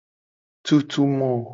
Tutu mo.